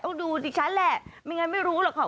ดูดิฉันแหละไม่งั้นไม่รู้หรอกค่ะ